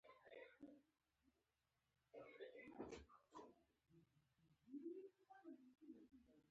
ټولنه به د پوهې، ودې او نوو پنځونو لپاره مستعده ګرځوې.